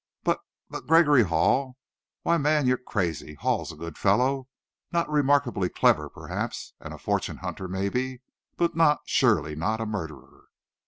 "But but Gregory Hall! Why man, you're crazy! Hall is a good fellow. Not remarkably clever, perhaps, and a fortune hunter, maybe, but not surely not a murderer!"